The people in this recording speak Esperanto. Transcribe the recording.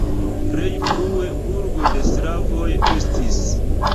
Plej frue burgo de slavoj estis.